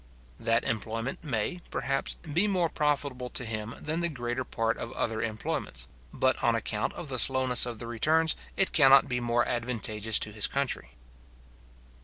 That employment may, perhaps, be more profitable to him than the greater part of other employments; but on account of the slowness of the returns, it cannot be more advantageous to his country.